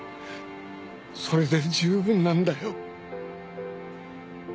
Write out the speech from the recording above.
それで十分なんだよ。